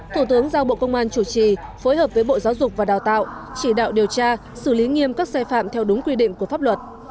thủ tướng giao bộ công an chủ trì phối hợp với bộ giáo dục và đào tạo chỉ đạo điều tra xử lý nghiêm các sai phạm theo đúng quy định của pháp luật